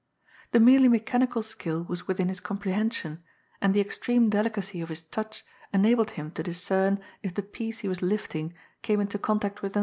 The merely mechanical skill was within his comprehension, and the extreme delicacy of his touch enabled him to discern if the piece he was lifting came into contact with another.